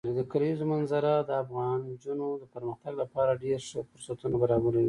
د کلیزو منظره د افغان نجونو د پرمختګ لپاره ډېر ښه فرصتونه برابروي.